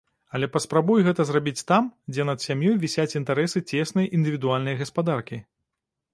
Але паспрабуй гэта зрабіць там, дзе над сям'ёй вісяць інтарэсы цеснай індывідуальнай гаспадаркі.